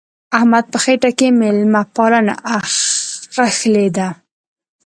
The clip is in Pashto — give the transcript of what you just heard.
احمد په خټه کې مېلمه پالنه اخښلې ده.